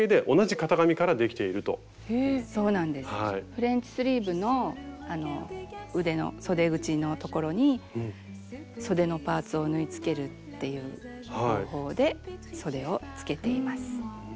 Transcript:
フレンチスリーブの腕のそで口のところにそでのパーツを縫いつけるっていう方法でそでをつけています。